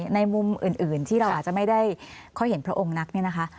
ในมุมอื่นที่เราอาจจะไม่ได้ค่อยเห็นพระองค์นัก